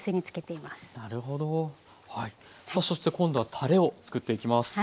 さあそして今度はたれを作っていきます。